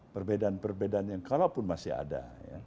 perbedaan perbedaan yang kalaupun masih ada